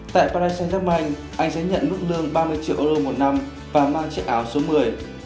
tại paris saint germain anh sẽ nhận mức lương ba mươi triệu euro một năm và mang chiếc áo số một mươi